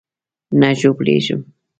نه ژوبلېږم.